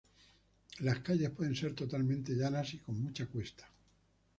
Las calles pueden ser totalmente llanas y con mucha cuesta.